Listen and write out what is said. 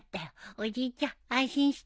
おじいちゃん安心して。